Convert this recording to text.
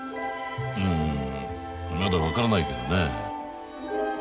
うんまだ分からないけどね。